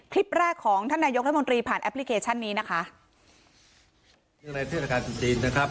คลิปแรกของท่านนายกรัฐมนตรีผ่านแอปพลิเคชันนี้นะคะจุดจีนนะครับ